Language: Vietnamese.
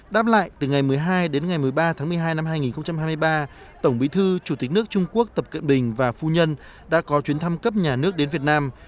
đáp lại từ ngày một mươi hai đến ngày một mươi ba tháng một mươi hai năm hai nghìn hai mươi ba tổng bí thư chủ tịch nước trung quốc tập cận bình và phu nhân đã có chuyến thăm cấp nhà nước đến việt nam